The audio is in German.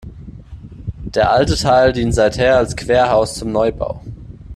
Der alte Teil dient seither als Querhaus zum Neubau.